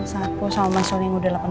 saatku sama mas soling udah delapan bulan